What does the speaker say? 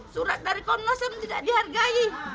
surat dari komnasem tidak dihargai